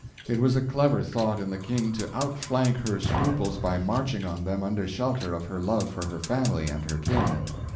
It was a clever thought in the King to outflank her scruples by marching on them under shelter of her love for her family and her kin.